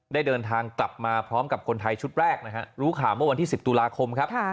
ได้เดินทางกลับมาพร้อมกับคนไทยชุดแรกนะฮะรู้ข่าวเมื่อวันที่๑๐ตุลาคมครับ